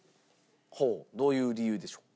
ほうどういう理由でしょうか？